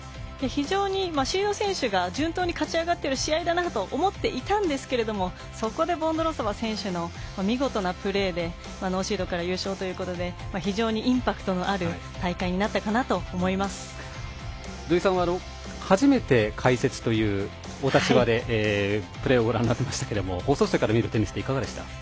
非常にシード選手が順当に勝ち上がってる試合だなと思っていたんですけどもそこでボンドロウソバ選手の見事なプレーでノーシードから優勝ということで非常にインパクトのある土居さんは初めて解説というお立場でプレーをご覧になってましたけども放送席から見るテニス